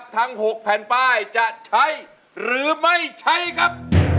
ทั้ง๖แผ่นป้ายจะใช้หรือไม่ใช้ครับ